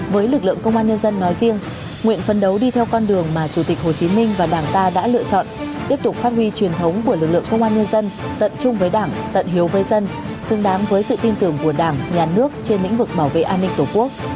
với lực lượng công an nhân dân nói riêng nguyện phấn đấu đi theo con đường mà chủ tịch hồ chí minh và đảng ta đã lựa chọn tiếp tục phát huy truyền thống của lực lượng công an nhân dân tận chung với đảng tận hiếu với dân xứng đáng với sự tin tưởng của đảng nhà nước trên lĩnh vực bảo vệ an ninh tổ quốc